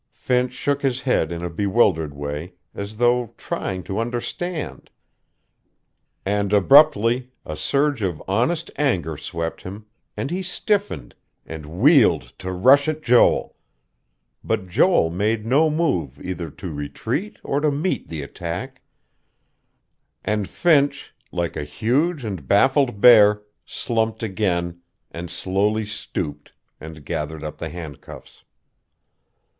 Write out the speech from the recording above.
Finch shook his head in a bewildered way, as though trying to understand; and abruptly, a surge of honest anger swept him, and he stiffened, and wheeled to rush at Joel. But Joel made no move either to retreat or to meet the attack; and Finch, like a huge and baffled bear, slumped again, and slowly stooped, and gathered up the handcuffs....